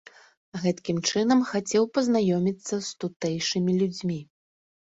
Гэткім чынам хацеў пазнаёміцца з тутэйшымі людзьмі.